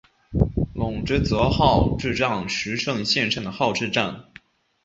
泷之泽号志站石胜线上的号志站。